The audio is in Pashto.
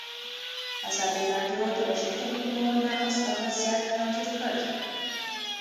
ازادي راډیو د د بشري حقونو نقض وضعیت انځور کړی.